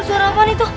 suara apaan itu